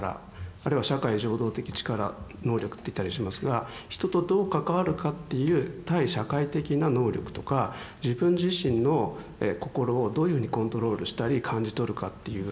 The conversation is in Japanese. あるいは社会情動的能力って言ったりしますが人とどう関わるかっていう対社会的な能力とか自分自身の心をどういうふうにコントロールしたり感じ取るかっていう